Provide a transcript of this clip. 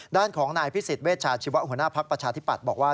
ด้านของนายพิสิทธิเวชาชีวะหัวหน้าภักดิ์ประชาธิปัตย์บอกว่า